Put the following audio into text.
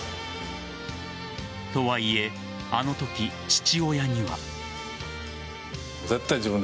とはいえあのとき、父親には。